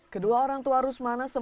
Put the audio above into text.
kedua orang tua rusmana